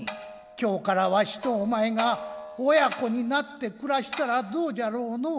今日からわしとお前が親子になって暮らしたらどうじゃろうのう」。